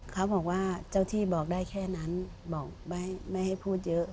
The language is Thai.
เขาบอกว่าเจ้าที่บอกได้แค่นั้นบอกไม่ให้พูดเยอะ